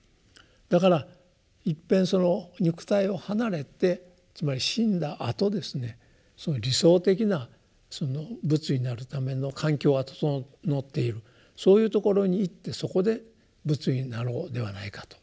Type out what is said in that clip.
だからいっぺんその肉体を離れてつまり死んだあとですねその理想的な仏になるための環境が整っているそういうところに行ってそこで仏になろうではないかというふうになってきてですね。